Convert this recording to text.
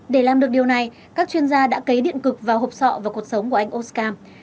để làm được điều này các chuyên gia đã cấy điện cực vào hộp sọ và cuộc sống của anh oscarm